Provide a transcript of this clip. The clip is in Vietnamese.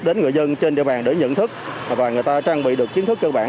đến người dân trên địa bàn để nhận thức và người ta trang bị được kiến thức cơ bản